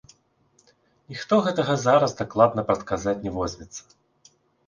Ніхто гэтага зараз дакладна прадказаць не возьмецца.